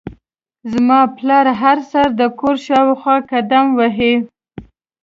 زما پلار هر سهار د کور شاوخوا قدم وهي.